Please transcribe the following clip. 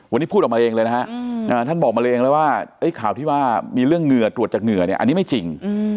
วันนี้พูดออกมาเองเลยนะฮะท่านบอกมาเลยเองแล้วว่าข่าวที่ว่ามีเรื่องเหงื่อตรวจจากเหงื่อเนี่ยอันนี้ไม่จริง